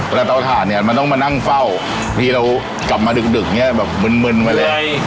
เวลาเตาถาดเนี้ยมันต้องมานั่งเฝ้าทีเรากลับมาดึกดึกเนี้ยแบบเมื่นเมื่นมาเลย